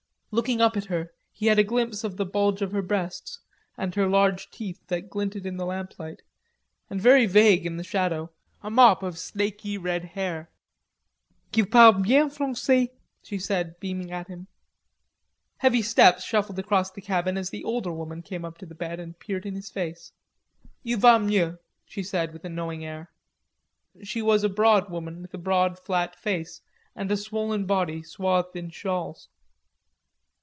Looking up at her, he had a glimpse of the bulge of her breasts and her large teeth that glinted in the lamplight, and very vague in the shadow, a mop of snaky, disordered hair. "Qu'il parle bien francais," she said, beaming at him. Heavy steps shuffled across the cabin as the older woman came up to the bed and peered in his face. "Il va mieux," she said, with a knowing air. She was a broad woman with a broad flat face and a swollen body swathed in shawls.